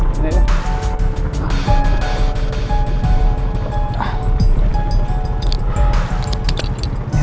terima kasih bang